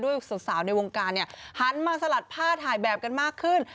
สาวในวงการเนี่ยหันมาสลัดผ้าถ่ายแบบกันมากขึ้น